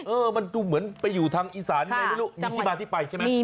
เออมันดูเหมือนไปอยู่ทางอีสานไงไม่รู้มีที่มาที่ไปใช่ไหม